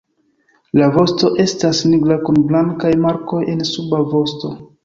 La vosto estas nigra kun blankaj markoj en suba vosto.